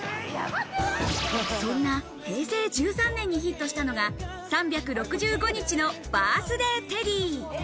そんな平成１３年にヒットしたのが、３６５日のバースデーテディ。